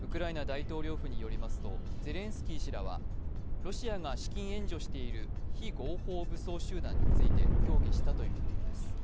ウクライナ大統領府によりますとゼレンスキー氏らはロシアが資金援助している非合法武装集団ついて協議したということです